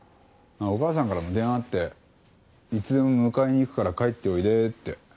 お母さんからも電話があっていつでも迎えに行くから帰っておいでって。